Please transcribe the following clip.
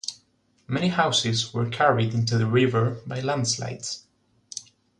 Many houses were carried into the river by landslides.